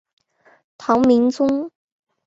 唐明宗